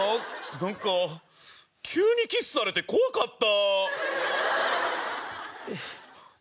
なんか急にキスされたら怖かった！